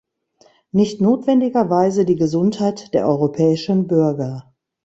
Nicht notwendigerweise die Gesundheit der europäischen Bürger.